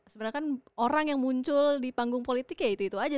sebenarnya kan orang yang muncul di panggung politik ya itu itu aja